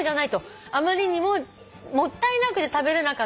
「あまりにももったいなくて食べれなかったんだ」